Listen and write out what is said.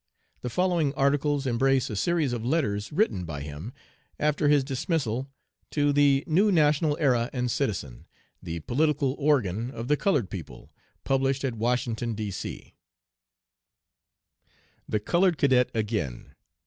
The following articles embrace a series of letters written by him, after his dismissal, to the New National Era and Citizen, the political organ of the colored people, published at Washington, D. C.: THE COLORED CADET AGAIN.